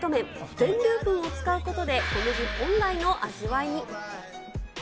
全粒粉を使うことで、小麦本来の味わいに。